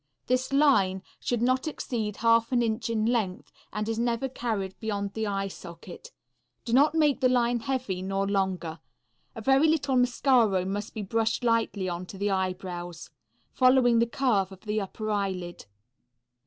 This line should not exceed half an inch in length and is never carried beyond the eye socket. Do not make the line heavy nor longer. A very little mascaro must be brushed lightly on to the eyebrows, following the curve of the upper eyelid.